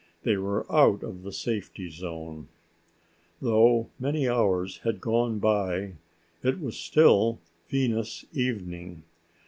They were out of the safety zone. Though many hours had gone by, it was still Venus evening.